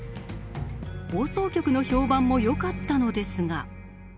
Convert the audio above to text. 放送局の評判もよかったのですが。